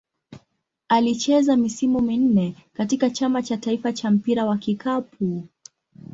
Alicheza misimu minne katika Chama cha taifa cha mpira wa kikapu.